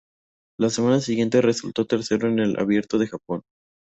La semana siguiente, resultó tercero en el Abierto de Japón.